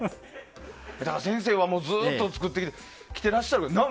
だから先生はずっと作ってきてらっしゃる。